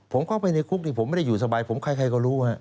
ผมเข้าไปในคุกที่ผมไม่ได้อยู่สบายผมใครก็รู้